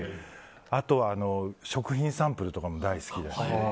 あと食品サンプルも大好きだし